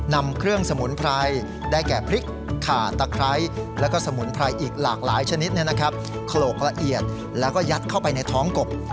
นำเครื่องสมุนไพรได้แก่พริกขาตะไคร้แล้วก็สมุนไพรอีกหลากหลายชนิดโขลกละเอียดแล้วก็ยัดเข้าไปในท้องกบ